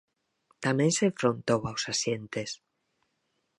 Tamén se enfrontou aos axentes.